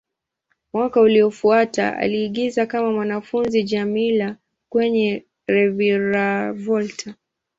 Mwaka uliofuata, aliigiza kama mwanafunzi Djamila kwenye "Reviravolta".